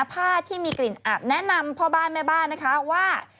ผ้าที่มีกลิ่นอาบแนะนำพ่อบ้านแม่บ้านนะคะว่า